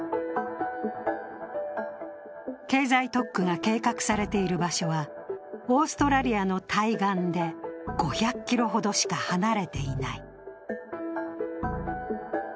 経済特区が計画されている場所はオーストラリアの対岸で５００ｋｍほどしか離れていない。